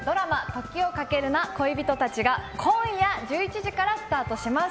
「時をかけるな、恋人たち」が今夜１１時からスタートします。